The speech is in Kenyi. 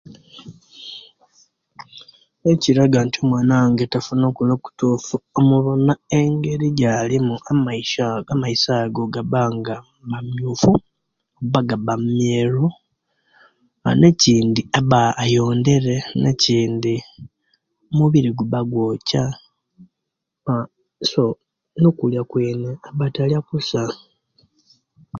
Ekiraga nti omwana wange tafuna okulya okutufu omuwona engeri ejalimu amaiso ago gaba nga mamiufu oba gaba meru ne kindi aba ayondere ne kindi omubiri guba gwokya a so nokulya okwene taba talya okusa